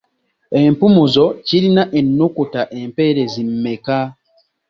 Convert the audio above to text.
Empumuzo kirina ennukuta empeerezi mmeka?